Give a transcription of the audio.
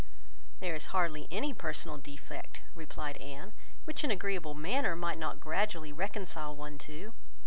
"There is hardly any personal defect," replied Anne, "which an agreeable manner might not gradually reconcile one to."